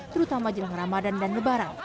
terutama jelang ramadan dan lebaran